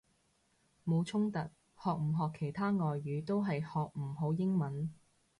冇衝突，學唔學其他外語都係學唔好英文！